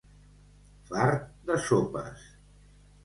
Fart de sopes.